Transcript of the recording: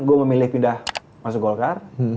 gue memilih pindah masuk golkar